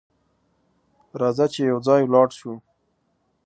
راځه چې یو ځای ولاړ سو!